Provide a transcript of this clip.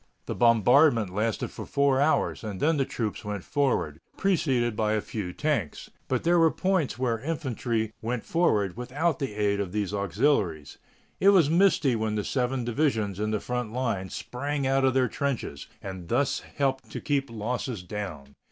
The bombardment lasted for four hours, and then the troops went forward, preceded by a few tanks, but there were points where infantry went forward without the aid of these auxiliaries. It was misty when the seven divisions in the front line sprang out of their trenches, and this helped to keep losses down.